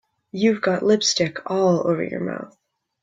You've got lipstick all over your mouth.